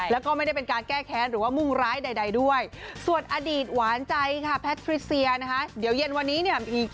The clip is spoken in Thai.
แล้วก็ไม่ได้เป็นการแก้แค้นหรือว่ามุ่งร้ายใดด้วยส่วนอดีตหวานใจค่ะแพทริเซียนะคะเดี๋ยวเย็นวันนี้เนี่ยมี